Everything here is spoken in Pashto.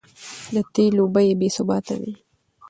د تېلو بیې بې ثباته وې؛